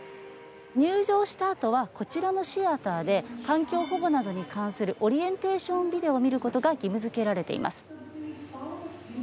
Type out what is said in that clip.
入場したあとはこちらのシアターで環境保護などに関するオリエンテーションビデオを見ることが義務付けられています。